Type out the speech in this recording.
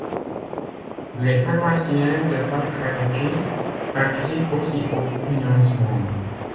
Les paroissiens de Bas-Caraquet participent aussi au financement.